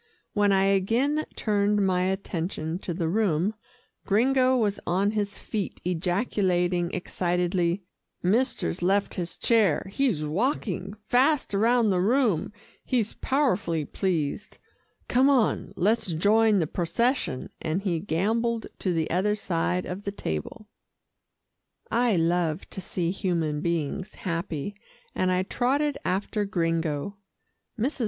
When I again turned my attention to the room, Gringo was on his feet ejaculating excitedly, "Mister's left his chair he's walking, fast round the room he's powerfully pleased come on, let's join the procession," and he gambolled to the other side of the table. I love to see human beings happy, and I trotted after Gringo. Mrs.